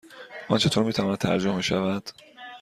آن چطور می تواند ترجمه شود؟